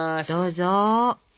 どうぞ。